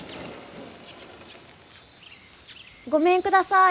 ごめんください。